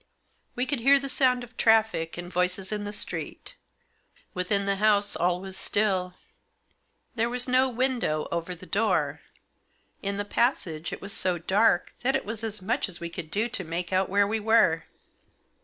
We could hear the sound of traffic and voices in the street. Within the house all was still. There was no window over the door. In the passage it was so dark 60 THE JOSS. that it was as much as we could do to make out where we were.